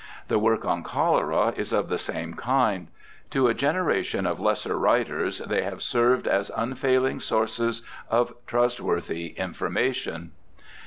The work on cholera is of the same kind. To a generation of lesser writers they have ser\^ed as unfailing sources of trustworthy in formation.